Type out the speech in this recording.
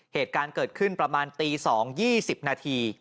เหตุการณ์เกิดขึ้นประมาณตี๒๒๐นาที